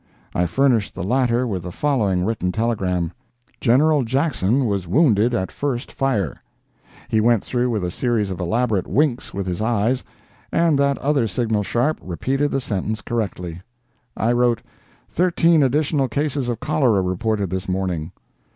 I furnished the latter with the following written telegram: "General Jackson was wounded at first fire." He went through with a series of elaborate winks with his eyes, and that other signal sharp repeated the sentence correctly. I wrote: "Thirteen additional cases of cholera reported this morning."